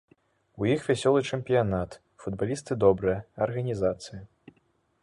У іх вясёлы чэмпіянат, футбалісты добрыя, арганізацыя.